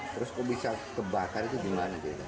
terus kok bisa terbakar itu gimana